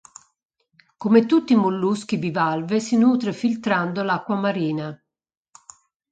Come tutti i molluschi bivalve si nutre filtrando l’acqua marina.